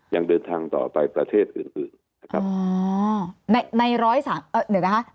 ยังเดินทางต่อไปประเทศอื่นนะครับ